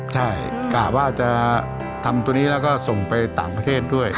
ใช่กะว่าจะทำตัวนี้แล้วก็ส่งไปต่างประเทศด้วย